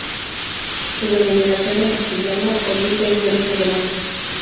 Su denominación en castellano, Olite es de origen romance.